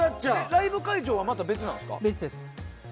ライブ会場は別なんですか？